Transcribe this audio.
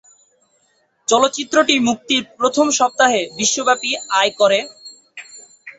চলচ্চিত্রটি মুক্তির প্রথম সপ্তাহে বিশ্বব্যাপী আয় করে।